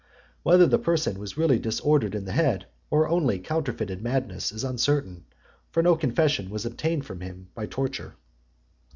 Whether the person was really disordered in the head, or only counterfeited madness, is uncertain; for no confession was obtained from him by torture.